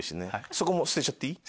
そこも捨てちゃっていい？